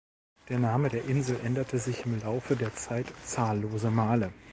Der Name der Insel änderte sich im Laufe der Zeit zahllose Male.